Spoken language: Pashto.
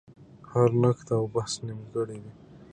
هر نقد او بحث نیمګړی وي.